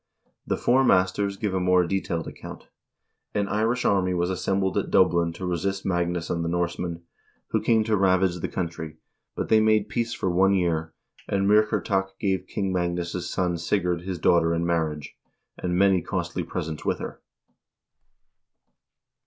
The Four Masters give a more detailed account :" An Irish army was assem bled at Dublin to resist Magnus and the Norsemen, who came to ravage the country, but they made peace for one year, and Muir chertach gave King Magnus' son Sigurd his daughter in marriage, and many costly presents with her."